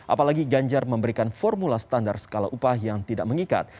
apalagi ganjar memberikan formula standar skala upah yang tidak mengikat